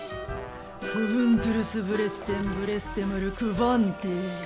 クヴントゥルスブレステンブレステムル・クヴァンテ。